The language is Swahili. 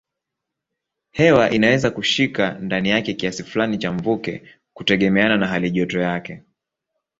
Hewa inaweza kushika ndani yake kiasi fulani cha mvuke kutegemeana na halijoto yake.